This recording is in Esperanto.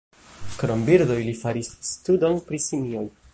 Krom birdoj li faris studon pri simioj.